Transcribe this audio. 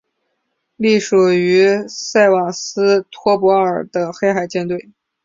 隶属于塞瓦斯托波尔的黑海舰队。